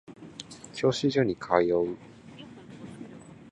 教習所に通う